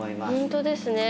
本当ですね。